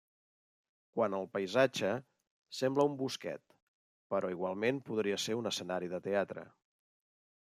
Quant al paisatge, sembla un bosquet, però igualment podria ser un escenari de teatre.